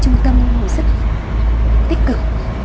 trung tâm sức tích cực